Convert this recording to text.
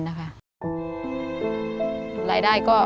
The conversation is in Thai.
ก็ต้องไปกู้หนี้ยืมสินเข้ามา